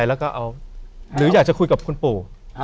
แล้วก็เอาหรืออยากจะคุยกับคุณปู่